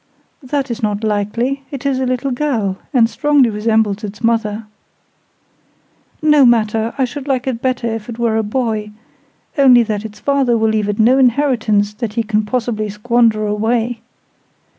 "That is not likely; it is a little girl, and strongly resembles its mother." "No matter; I should like it better if it were a boy—only that its father will leave it no inheritance that he can possibly squander away.